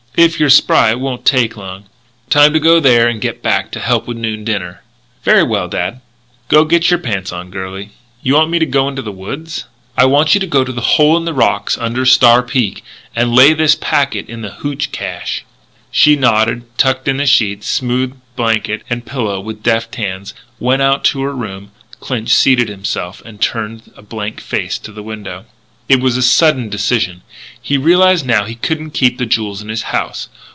If you're spry it won't take long time to go there and get back to help with noon dinner." "Very well, dad." "Go git your pants on, girlie." "You want me to go into the woods?" "I want you to go to the hole in the rocks under Star Peak and lay this packet in the hootch cache." She nodded, tucked in the sheets, smoothed blanket and pillow with deft hands, went out to her own room. Clinch seated himself and turned a blank face to the window. It was a sudden decision. He realised now that he couldn't keep the jewels in his house.